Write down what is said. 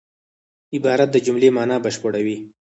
عبارت د جملې مانا بشپړوي.